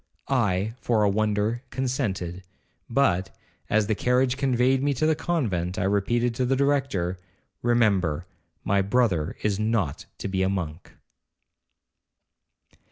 I, for a wonder, consented; but, as the carriage conveyed me to the convent, I repeated to the Director, 'Remember, my brother is not to be a monk.'